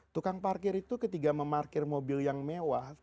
tukang parkir itu ketika memarkir mobil yang mewah